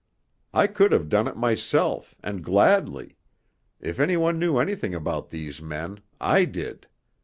I could have done it myself and gladly; if any one knew anything about these men, I did.